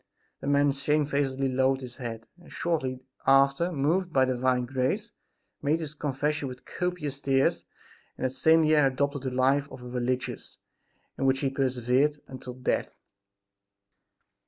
The man shamefacedly lowered his head and, shortly after, moved by divine grace, made his confession with copious tears and that same year adopted the life of a religious, in which he persevered until death.